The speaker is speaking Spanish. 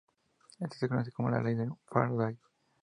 Esto se conoce como la ley de Faraday.